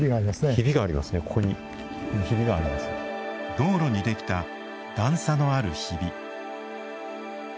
道路にできた段差のあるひび。